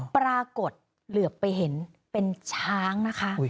ปรากฏเหลือไปเห็นเป็นช้างนะคะ